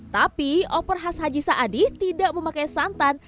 tapi oper khas haji saadi tidak memakai santan